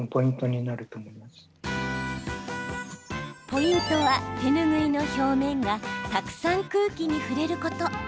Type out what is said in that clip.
ポイントは、手ぬぐいの表面がたくさん空気に触れること。